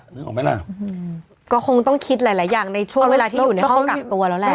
นึกออกไหมล่ะก็คงต้องคิดหลายหลายอย่างในช่วงเวลาที่อยู่ในห้องกักตัวแล้วแหละ